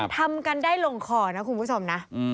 ทำกันได้ลงคอนะคุณผู้ชมนะ